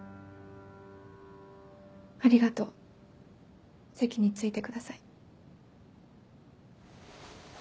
ありがと席に着いてください。